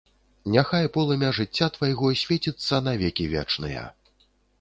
Няхай полымя жыцця твайго свеціцца на векі вечныя!